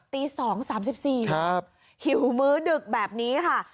ตี๒๓๔หิวมื้อดึกแบบนี้ค่ะ